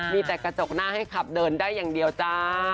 มีแต่กระจกหน้าให้ขับเดินได้อย่างเดียวจ้า